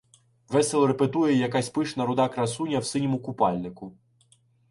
Весело репетує якась пишна руда красуня в синьому купальнику